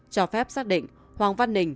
cho phép xác định hoàng văn nình